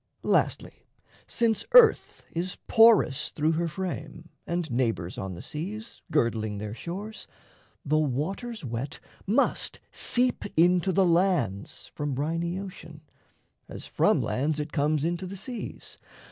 Lastly, since earth is porous through her frame, And neighbours on the seas, girdling their shores, The water's wet must seep into the lands From briny ocean, as from lands it comes Into the seas.